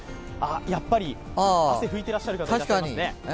やっぱり汗、拭いてらっしゃる方いらっしゃいますね。